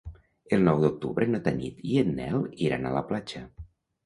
El nou d'octubre na Tanit i en Nel iran a la platja.